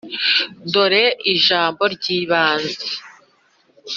dore ijambo ry’ibanze